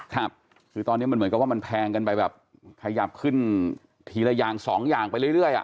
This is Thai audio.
ครับคือตอนนี้มันเหมือนกับว่ามันแพงกันไปแบบขยับขึ้นทีละอย่างสองอย่างไปเรื่อยอ่ะ